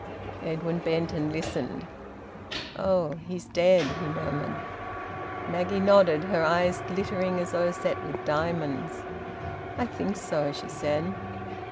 Edwin bent and listened. "Oh! He's dead!" he murmured. Maggie nodded, her eyes glittering as though set with diamonds. "I think so," she said.